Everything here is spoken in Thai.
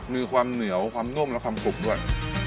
มีความเหนียวความนุ่มและความกรุบด้วย